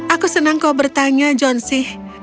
aku senang kau bertanya johnsy